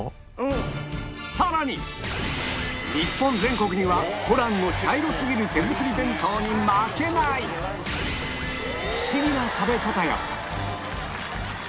さらに日本全国にはホランの茶色すぎる手作り弁当に負けないフシギな食べ方や